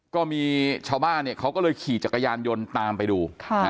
ก็มีชาวบ้านเขาก็เลยขี่จักรยานยนต์ตามไปดู